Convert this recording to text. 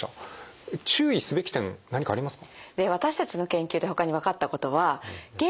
注意すべき点何かありますか？